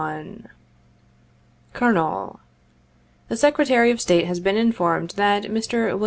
"Colonel: " The Secretary of State has been informed that Mr. Wm.